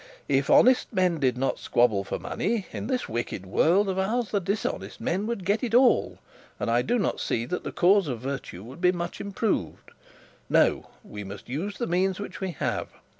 'If honest men did not squabble for money, in this world of ours, the dishonest men would get it all; and I do not see that the cause of virtue would be much improved. No, we must use the means which we have.